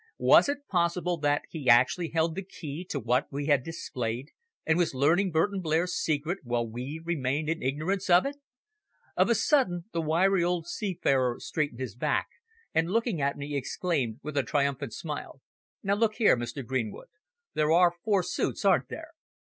Was it possible that he actually held the key to what we had displayed, and was learning Burton Blair's secret while we remained in ignorance of it! Of a sudden, the wiry old seafarer straightened his back, and, looking at me, exclaimed, with a triumphant smile "Now, look here, Mr. Greenwood, there are four suites, aren't there?